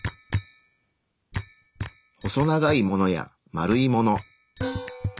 細長いものや丸いもの。